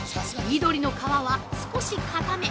緑の皮は少し硬め。